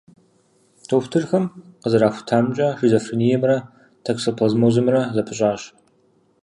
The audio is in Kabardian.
Дохутырхэм къызэрахутамкӏэ, шизофрениемрэ токсоплазмозымрэ зэпыщӏащ.